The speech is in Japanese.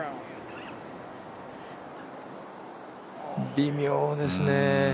微妙ですね。